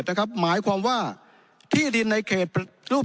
ชุมชนในพื้นที่ประดูกที่ดินเพื่อการเกษตรนะครับ